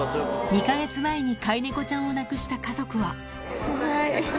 ２か月前に飼い猫ちゃんを亡くした家族は。